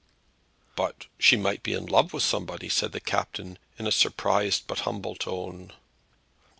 "But she might be in love with somebody," said the captain, in a surprised but humble tone.